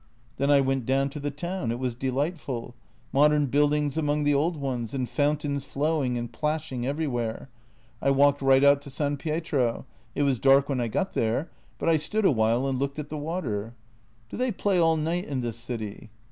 " Then I went down to the town; it was delightful. Modern buildings among the old ones, and fountains flowing and plash ing everywhere. I walked right out to San Pietro; it was dark when I got there, but I stood a while and looked at the water. Do they play all night in this city?